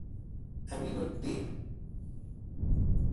امینالدین